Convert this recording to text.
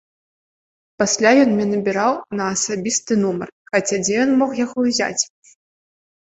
Пасля ён мне набіраў на асабісты нумар, хаця дзе ён мог яго ўзяць?